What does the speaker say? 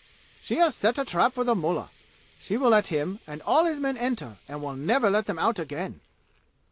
"She has set a trap for the mullah. She will let him and all his men enter and will never let them out again!"